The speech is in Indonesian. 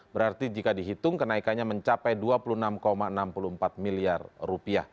berarti jika dihitung kenaikannya mencapai rp dua puluh enam enam puluh empat miliar